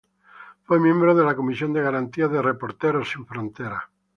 Fue miembro de la Comisión de Garantías de Reporteros Sin Fronteras.